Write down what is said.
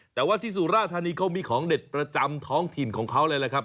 แต่ว่าที่สุราธานีเขามีของเด็ดประจำท้องถิ่นของเขาเลยแหละครับ